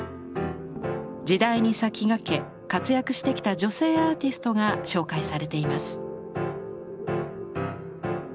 時代に先駆け活躍してきた女性アーティストが紹介されています。